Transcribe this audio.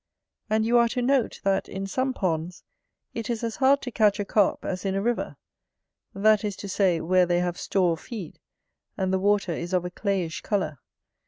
And you are to note, that, in some ponds, it is as hard to catch a Carp as in a river; that is to say, where they have store of feed, and the water is of a clayish colour.